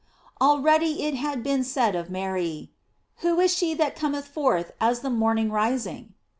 Already it had been said of Mary: "Who is she that cometh forth as the morning rising?"